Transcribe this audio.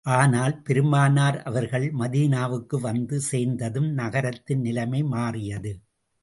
ஆனால், பெருமானார் அவர்கள் மதீனாவுக்கு வந்து சேர்ந்ததும், நகரத்தின் நிலைமை மாறியது.